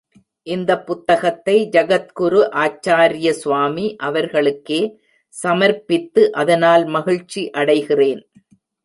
இந்தப் புத்தகத்தை ஜகத்குரு ஆச்சார்ய சுவாமி அவர்களுக்கே சமர்ப்பித்து அதனால் மகிழ்ச்சி அடைகிறேன்.